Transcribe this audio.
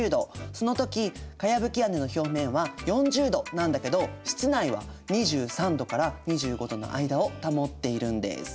その時かやぶき屋根の表面は４０℃なんだけど室内は２３℃から２５℃の間を保っているんです。